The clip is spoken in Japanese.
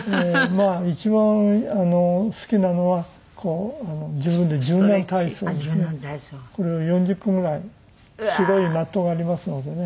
まあ一番好きなのは自分で柔軟体操をねこれを４０分ぐらい広いマットがありますのでね